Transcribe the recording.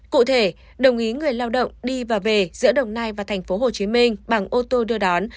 cụ thể đồng ý người lao động đi và về giữa đồng nai và tp hcm bằng ô tô đưa đón